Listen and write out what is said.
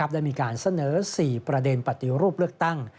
ได้มีการเสนอ๔ประเด็นปฏิรูปเลือกตั้ง